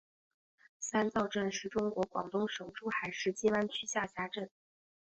三灶镇是中国广东省珠海市金湾区下辖镇。